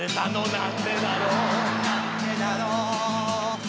なんでだろう